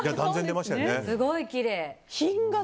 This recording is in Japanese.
すごいきれい！